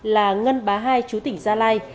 là ngân bá hai chú tỉnh gia lai